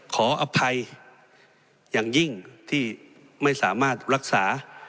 ขออภัยอย่างยิ่งที่ไม่สามารถรักษา